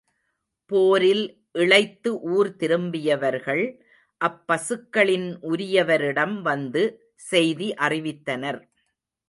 போரில் இளைத்து ஊர் திரும்பியவர்கள் அப்பசுக்களின் உரியவரிடம் வந்து செய்தி அறிவித்தனர்.